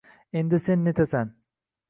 endi sen netasan